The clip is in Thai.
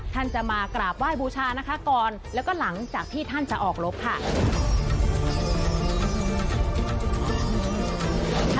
ท่านจะมากราบไหว้บูชานะคะก่อนแล้วก็หลังจากที่ท่านจะออกรบค่ะ